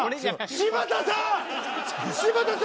柴田さんが！